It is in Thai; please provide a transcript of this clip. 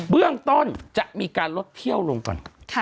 เรื่องต้นจะมีการลดเที่ยวลงก่อน